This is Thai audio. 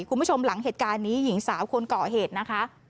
คุณผู้ชมหลังเหตุการณ์นี้หญิงสาวคนเกาะเหตุนะคะ